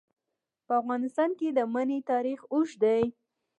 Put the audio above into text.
په افغانستان کې د منی تاریخ اوږد دی.